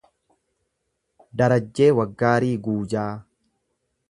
Darajjee Waggaarii Guujaa